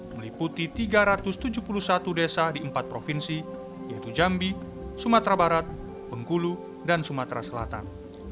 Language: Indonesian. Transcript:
meliputi tiga ratus tujuh puluh satu desa di empat provinsi yaitu jambi sumatera barat bengkulu dan sumatera selatan